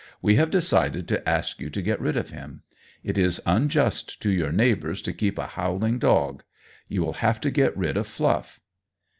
We have decided to ask you to get rid of him. It is unjust to your neighbors to keep a howling dog. You will have to get rid of Fluff."